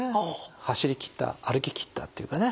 走りきった歩ききったっていうかね